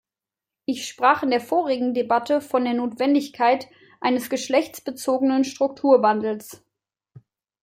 Ich sprach in der vorigen Debatte von der Notwendigkeit eines geschlechtsbezogenen Strukturwandels.